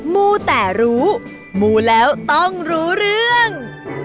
มูแต่รู้มูแล้วต้องรู้เรื่อง